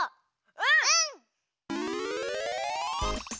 うん！